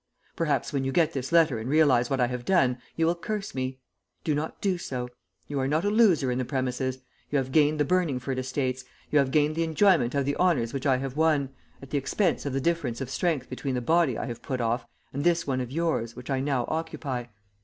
Perhaps when you get this letter and realize what I have done, you will curse me. Do not do so. You are not a loser in the premises. You have gained the Burningford estates, you have gained the enjoyment of the honours which I have won, at the expense of the difference of strength between the body I have put off and this one of yours which I now occupy.